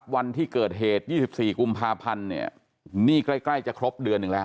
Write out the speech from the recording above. วันที่เกิดเหตุ๒๔กุมภาพันธ์เนี่ยนี่ใกล้จะครบเดือนหนึ่งแล้ว